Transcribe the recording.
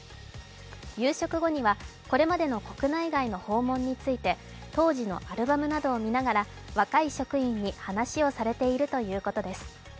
夕食後には、これまでの国内外の訪問について当時のアルバムなどを見ながら若い職員に話をされているということです。